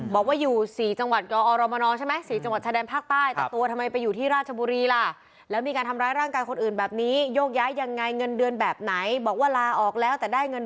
บอกว่าอยู่๔จังหวัดออรมานงใช่ไหม๔จังหวัดชาดีนภาคใต้